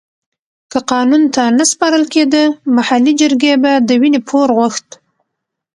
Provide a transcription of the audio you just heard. که قانون ته نه سپارل کېده محلي جرګې به د وينې پور غوښت.